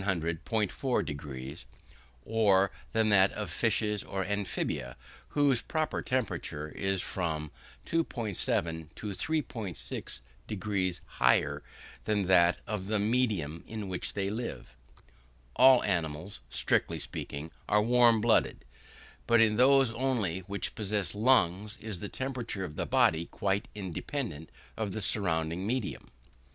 4 deg) or than that of fishes or amphibia, whose proper temperature is from 2.7 to 3.6 deg higher than that of the medium in which they live. All animals, strictly speaking, are warm blooded; but in those only which possess lungs is the temperature of the body quite independent of the surrounding medium.